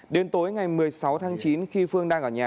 đến tối ngày một mươi sáu tháng chín khi phương đang ở nhà